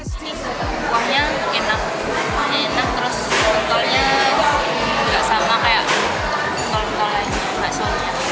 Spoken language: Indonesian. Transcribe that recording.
ini kuahnya enak enak terus pentolnya enggak sama kayak pentol pentol bakso